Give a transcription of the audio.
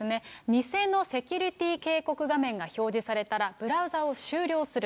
偽のセキュリティー警告画面が表示されたら、ブラウザを終了する。